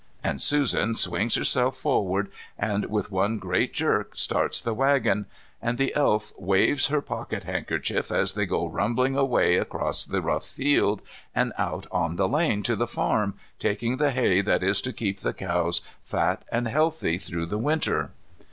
and Susan swings herself forward and with one great jerk starts the waggon, and the Elf waves her pocket handkerchief as they go rumbling away across the rough field and out on the lane to the farm, taking the hay that is to keep the cows fat and healthy through the winter.